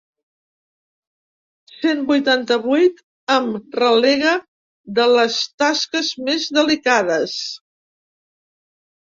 Cent vuitanta-vuit em relega de les tasques més delicades.